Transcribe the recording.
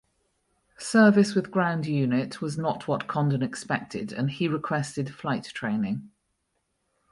Service with ground unit was not what Condon expected and he requested flight training.